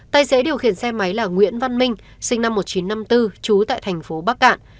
tài xế điều khiển xe máy là nguyễn văn minh sinh năm một nghìn chín trăm năm mươi bốn trú tại thành phố bắc cạn